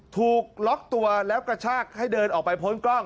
ถูกล็อกตัวแล้วกระชากให้เดินออกไปพ้นกล้อง